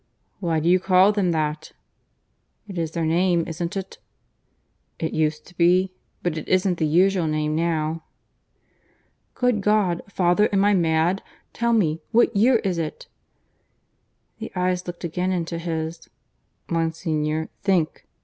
"Why do you call them that?" "It is their name, isn't it?" "It used to be; but it isn't the usual name now." "Good God! Father, am I mad? Tell me. What year is it?" The eyes looked again into his. "Monsignor, think.